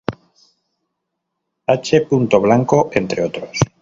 H. Blanco, entre otros.